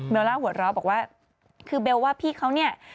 เวลาหัวเราะบอกว่าคือเบลว่าพี่เขาเนี่ย